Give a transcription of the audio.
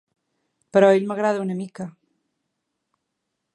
Però ell m'agrada una mica.